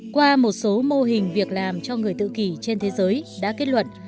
qua một số mô hình việc làm cho người tự kỷ trên thế giới đã kết luận